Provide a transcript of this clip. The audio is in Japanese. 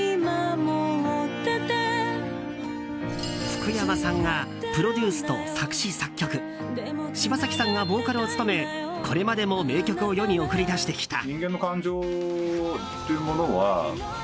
福山さんがプロデュースと作詞・作曲柴咲さんがボーカルを務めこれまでも名曲を世に送り出してきた。